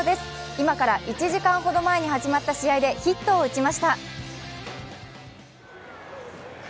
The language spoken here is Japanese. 今から１時間ほど前に始まった試合でヒットを打ちました。